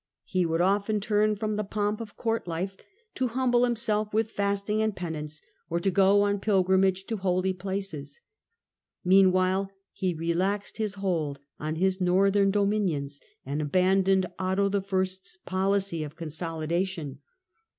He would often turn from the pomp of court life to humble himself with fasting and penance, or to go on pilgrimage to holy places. Meanwhile he relaxed his hold on his northern dominions, and abandoned Otto I.'s policy of consolidation.